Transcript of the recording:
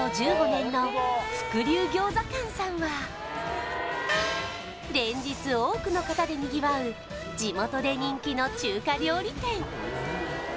１５年の福龍餃子館さんは連日多くの方でにぎわう地元で人気の中華料理店